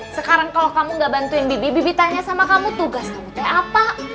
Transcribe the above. sekarang kalo kamu ga bantuin bibi bibi tanya sama kamu tugas kamu teh apa